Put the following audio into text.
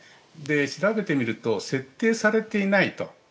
調べてみると設定されていないと。